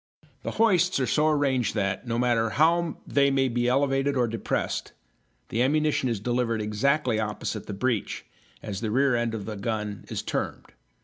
The hoists are so arranged that, no matter how they may be elevated or depressed, the ammunition is delivered exactly opposite the breech, as the rear end of a gun is termed.